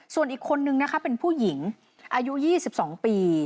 ส่วนอีกคนนึงนะคะเป็นผู้หญิงอายุ๒๒ปี